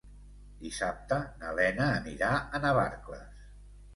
Dissabte na Lena anirà a Navarcles.